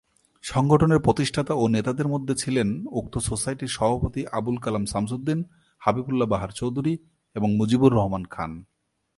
সংগঠনের প্রতিষ্ঠাতা ও নেতাদের মধ্যে ছিলেন উক্ত সোসাইটির সভাপতি আবুল কালাম শামসুদ্দিন, হাবিবুল্লাহ বাহার চৌধুরী এবং মুজিবুর রহমান খান।